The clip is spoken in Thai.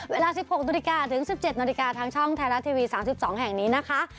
เวลา๑๖๑๗นทางช่องแทนาทีวี๓๒แห่งนี้นะคะ